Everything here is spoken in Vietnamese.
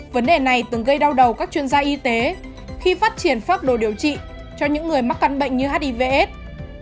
vấn đề này từng gây đau đầu các chuyên gia y tế khi phát triển pháp đồ điều trị cho những người mắc cắn bệnh như hiv aids